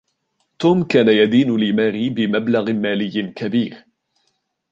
توم كان يدين لماري بمبلغ مالي كبير.